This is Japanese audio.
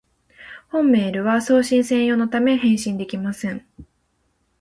本メールは送信専用のため、返信できません